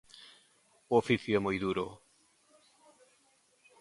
O oficio é moi duro.